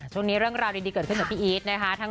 ช่วงนี้เรื่องราวดีเกิดขึ้นกับพี่อีดด์นะคะ